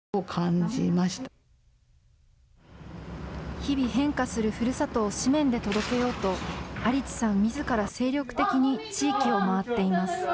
日々変化するふるさとを誌面で届けようと、有地さんみずから精力的に地域を回っています。